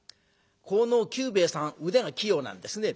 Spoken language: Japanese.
この久兵衛さん腕が器用なんですね。